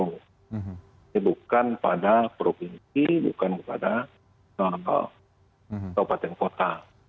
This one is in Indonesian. ini bukan pada provinsi bukan pada soal kabupaten kota